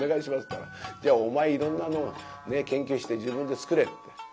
ったら「じゃあお前いろんなのを研究して自分で作れって。